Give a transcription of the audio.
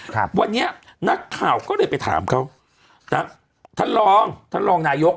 ครับวันนี้นักข่าวก็เลยไปถามเขานะท่านรองท่านรองนายก